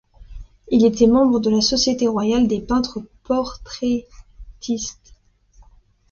Il était membre de la Société royale des peintres portraitistes.